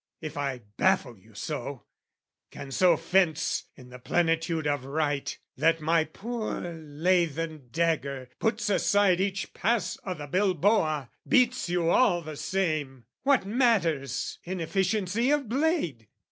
If I baffle you so, Can so fence, in the plenitude of right, That my poor lathen dagger puts aside Each pass o' the Bilboa, beats you all the same, What matters inefficiency of blade?